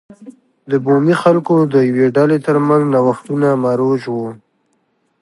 د بومي خلکو د یوې ډلې ترمنځ نوښتونه مروج و.